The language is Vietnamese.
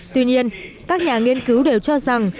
tuy nhiên các nhà nghiên cứu đều cho rằng